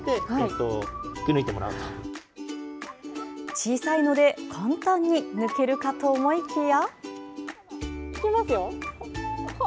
小さいので簡単に抜けるかと思いきや。